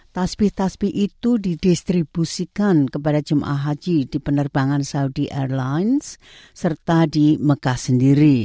tasbih tasbi itu didistribusikan kepada jemaah haji di penerbangan saudi airlines serta di mekah sendiri